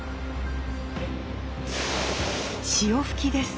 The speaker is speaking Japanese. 潮吹きです。